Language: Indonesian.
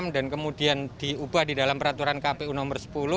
dan kemudian diubah di dalam peraturan kpu nomor sepuluh